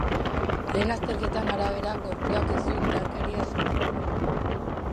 Lehen azterketen arabera, gorpuak ez du indarkeria zantzurik.